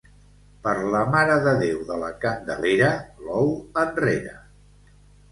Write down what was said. Per la Mare de Déu de la Candelera, l'ou enrere.